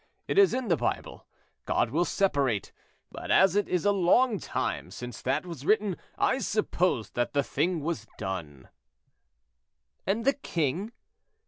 It is in the Bible, 'God will separate,' but as it is a long time since that was written, I supposed that the thing was done." "And the king?"